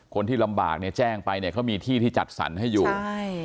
คนที่ลำบากเนี่ยแจ้งไปเนี่ยเขามีที่ที่จัดสรรให้อยู่ใช่